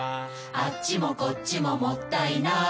「あっちもこっちももったいない」